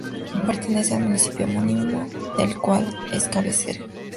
Pertenece al municipio homónimo del cual es cabecera.